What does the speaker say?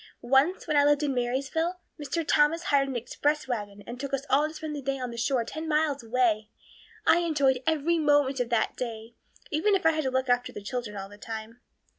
"Once, when I lived in Marysville, Mr. Thomas hired an express wagon and took us all to spend the day at the shore ten miles away. I enjoyed every moment of that day, even if I had to look after the children all the time.